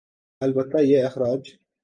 البتہ یہ اخراج